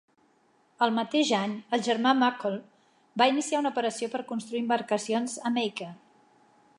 El mateix any, el germà McCall va iniciar una operació per construir embarcacions a Macon.